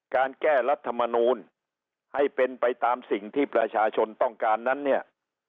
การแก้รัฐมนูลให้เป็นไปตามสิ่งที่ประชาชนต้องการนั้นเนี่ย